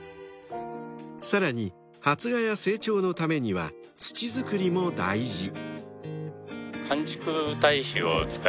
［さらに発芽や成長のためには土づくりも大事］